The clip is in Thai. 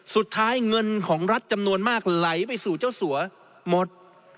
สุดท้ายเงินของรัฐจำนวนมากไหลไปสู่เจ้าสัวหมด